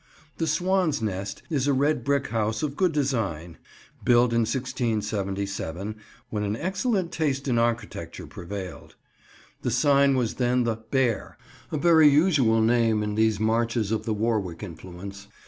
The "Swan's Nest" is a red brick house of good design, built in 1677, when an excellent taste in architecture prevailed. The sign was then the "Bear," a very usual name in these marches of the Warwick influence.